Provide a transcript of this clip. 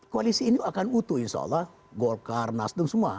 koalisi ini akan utuh insya allah golkar nasdem semua